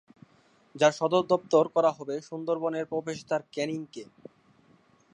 যার সদর দপ্তর করা হবে সুন্দরবনের প্রবেশদ্বার ক্যানিং-কে।